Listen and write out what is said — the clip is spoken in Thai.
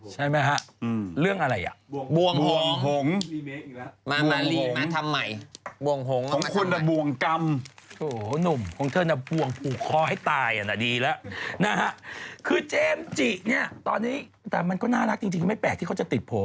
เจมส์จิเนี่ยตอนนี้แต่มันก็น่ารักจริงไม่แปลกที่เขาจะติดหัว